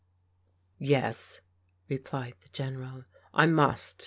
" Yes, replied the General, " I must.